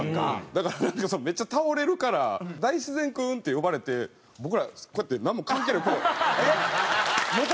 だからめっちゃ倒れるから「大自然君」って呼ばれて僕らこうやってなんも関係ないこう。